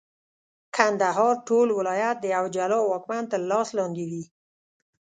کندهار ټول ولایت د یوه جلا واکمن تر لاس لاندي وي.